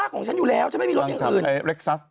ของฉันอยู่แล้วฉันไม่มีรถอย่างอื่น